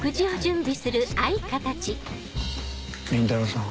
倫太郎さん。